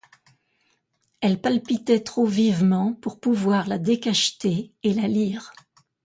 Elle palpitait trop vivement pour pouvoir la décacheter et la lire.